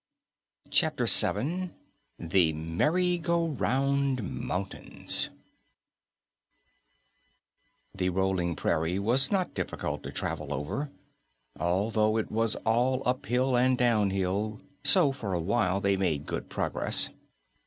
CHAPTER 7 THE MERRY GO ROUND MOUNTAINS The Rolling Prairie was not difficult to travel over, although it was all uphill and downhill, so for a while they made good progress.